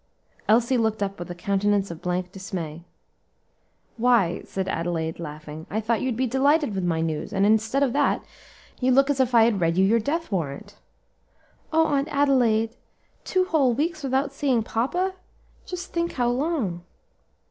Elsie looked up with a countenance of blank dismay. "Why," said Adelaide, laughing, "I thought you'd be delighted with my news, and instead of that, you look as if I had read you your death warrant." "O Aunt Adelaide! two whole weeks without seeing papa! just think how long."